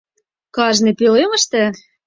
— Кажне пӧлемыште?